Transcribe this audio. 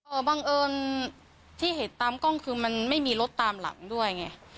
บังเอิญที่เห็นตามกล้องคือมันไม่มีรถตามหลังด้วยไง